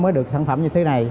nó mới được sản phẩm như thế này